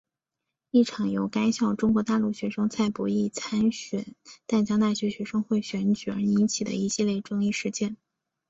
一场由该校中国大陆学生蔡博艺参选淡江大学学生会选举而引起的一系列争议事件。